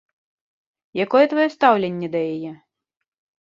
Якое тваё стаўленне да яе?